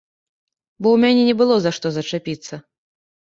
Бо ў мяне не было за што зачапіцца.